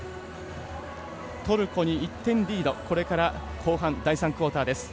トルコに１点リードこれから後半第３クオーターです。